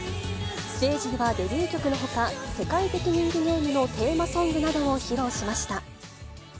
ステージではデビュー曲のほか、世界的人気ゲームのテーマソングなどを披露しました。